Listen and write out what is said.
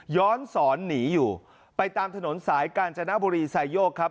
ย้อนสอนหนีอยู่ไปตามถนนสายกาญจนบุรีไซโยกครับ